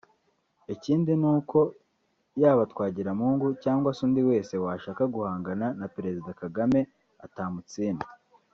Ikindi ni uko yaba Twagiramungu cyangwa se undi wese washaka guhangana na Perezida Kagame atamutsinda